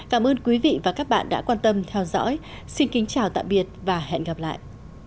cảm ơn quý vị và các bạn đã quan tâm theo dõi xin kính chào tạm biệt và hẹn gặp lại